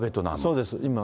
そうです、今。